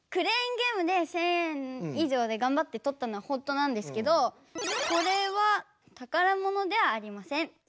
クレーンゲームで１，０００円以上でがんばってとったのは本当なんですけどこれは宝物ではありません。